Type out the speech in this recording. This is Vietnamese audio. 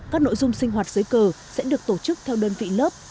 các nội dung sinh hoạt dưới cờ sẽ được tổ chức theo đơn vị lớp